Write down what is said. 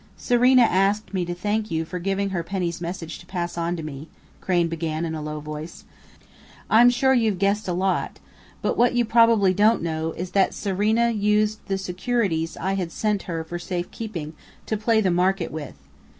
"Serena asked me to thank you for giving her Penny's message to pass on to me," Crain began in a low voice. "I'm sure you've guessed a lot, but what you probably don't know is that Serena used the securities I had sent her for safe keeping, to play the market with.